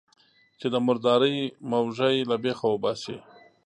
چې د مردارۍ موږی له بېخه وباسي.